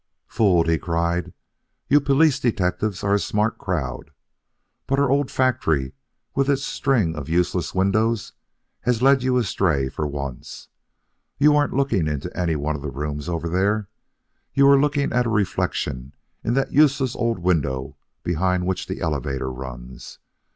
"Fooled!" he cried. "You police detectives are a smart crowd, but our old factory with its string of useless windows has led you astray for once. You weren't looking into any one of the rooms over there. You were looking at a reflection in that useless old window behind which the elevator runs.